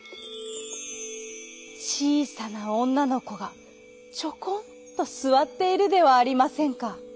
ちいさなおんなのこがちょこんとすわっているではありませんか。